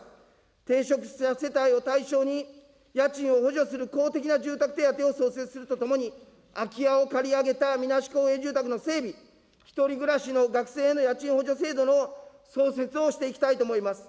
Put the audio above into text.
低所得世帯を対象に、家賃を補助する公的な住宅手当を創設するとともに、空き家を借り上げたみなし公営住宅の整備、１人暮らしの学生への家賃補助制度の創設をしていきたいと思います。